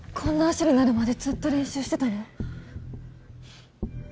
足になるまでずっと練習してたの？